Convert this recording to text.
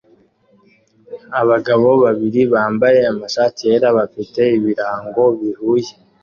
Abagabo babiri bambaye amashati yera bafite ibirango bihuye